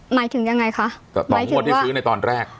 หมายถึงยังไงคะต่องวดที่ซื้อในตอนแรก